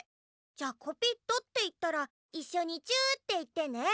じゃあコピットっていったらいっしょにチューっていってね。